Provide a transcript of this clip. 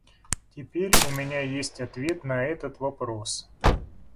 Теперь у меня есть ответ на этот вопрос.